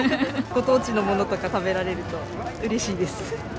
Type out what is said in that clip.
ご当地のものとか食べられると、うれしいです。